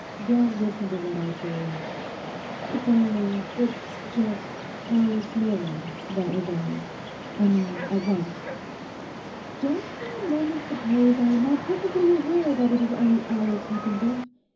Don't listen to what I say. It's only—it's just Alice knowing, that was all; I mean at once.' 'Don't for a moment suppose I am not perfectly aware that it is only Alice you think of.